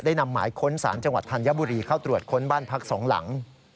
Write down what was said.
นำหมายค้นสารจังหวัดธัญบุรีเข้าตรวจค้นบ้านพักสองหลัง